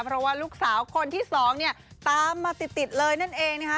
เพราะว่าลูกสาวคนที่สองเนี่ยตามมาติดเลยนั่นเองนะคะ